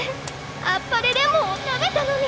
天晴れレモンを食べたのに。